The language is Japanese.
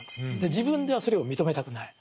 自分ではそれを認めたくない。